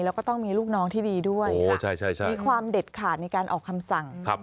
แล้วก็ต้องมีลูกน้องที่ดีด้วยมีความเด็ดขาดในการออกคำสั่ง